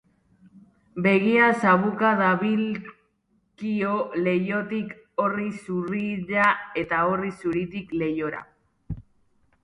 Begia zabuka dabilkio leihotik orri zurira eta orri zuritik leihora.